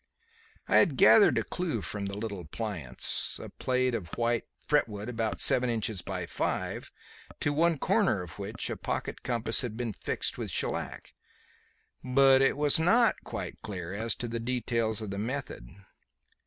I had gathered a clue from the little appliance a plate of white fret wood about seven inches by five, to one corner of which a pocket compass had been fixed with shellac but was not quite clear as to the details of the method.